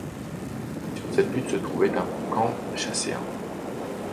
Sur cette butte se trouvait un camp chasséen.